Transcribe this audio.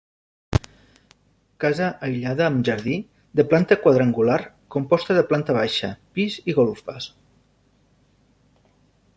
Casa aïllada amb jardí, de planta quadrangular, composta de planta baixa, pis i golfes.